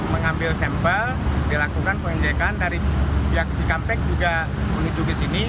mengambil sampel dilakukan pengecekan dari pihak cikampek juga menuju ke sini